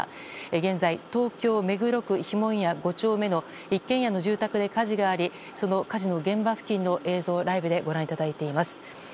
現在、東京都目黒区碑文谷５丁目の一軒家の住宅で火事がありその火事の現場付近の映像をライブでご覧いただいています。